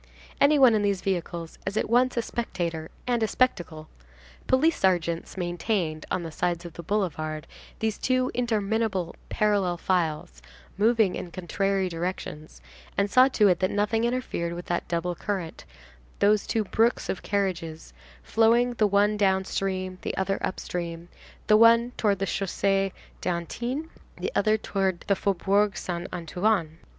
Any one in these vehicles is at once a spectator and a spectacle. Police sergeants maintained, on the sides of the boulevard, these two interminable parallel files, moving in contrary directions, and saw to it that nothing interfered with that double current, those two brooks of carriages, flowing, the one downstream, the other upstream, the one towards the Chaussée d'Antin, the other towards the Faubourg Saint Antoine.